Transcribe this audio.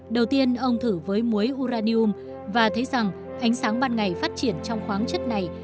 đầu tiên ông thử với muối uranium và thấy rằng ánh sáng ban ngày phát triển trong khoáng chất này